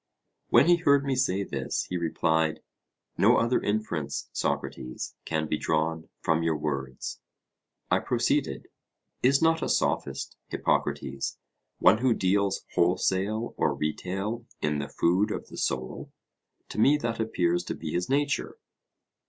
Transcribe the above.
When he heard me say this, he replied: No other inference, Socrates, can be drawn from your words. I proceeded: Is not a Sophist, Hippocrates, one who deals wholesale or retail in the food of the soul? To me that appears to be his nature.